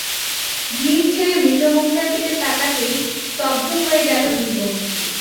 ভিড় ঠেলে মৃত মুখটার দিকে তাকাতেই স্তব্ধ হয়ে গেল দুই বন্ধু।